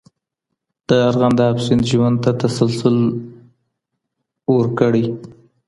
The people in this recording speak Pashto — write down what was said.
د ارغنداب سیند ژوند ته تسلسل ورکړی.